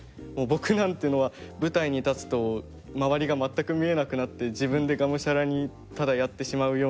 僕なんていうのは舞台に立つと周りが全く見えなくなって自分でがむしゃらにただやってしまうような人でして。